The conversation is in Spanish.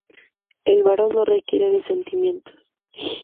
El varón no requiere de sentimientos.